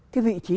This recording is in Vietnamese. cái vị trí